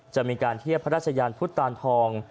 จะมีการเทียบพระราชยานพุทธตานทอง